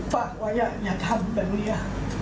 ฝากไว้อย่าทำ